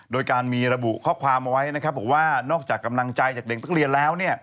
โดยการมีระบุข้อความเอาไว้นะครับบอกว่านอกจากกำลังใจจากเด็กนักเรียนแล้ว